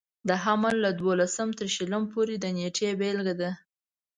د حمل له دولسم تر شلم پورې د نېټې بېلګه ده.